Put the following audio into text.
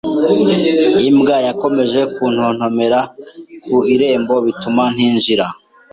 Imbwa yakomeje kuntontomera ku irembo, bituma ntinjira.